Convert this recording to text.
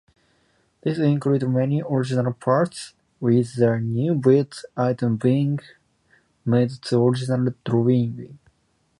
This includes many original parts, with the new-build items being made to original drawings.